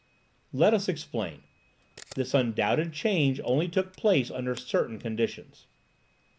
Let us explain. This undoubted change only took place under certain conditions.